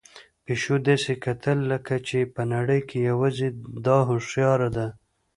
پيشو داسې کتل لکه چې په نړۍ کې یوازې ده هوښیار ده.